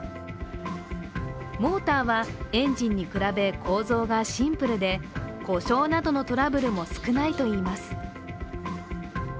モーターは、エンジンに比べ構造がシンプルで故障などのトラブルも少ないといいます。